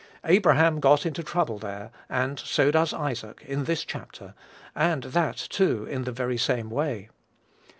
Abraham got into trouble there, and so does Isaac, in this chapter, and that, too, in the very same way.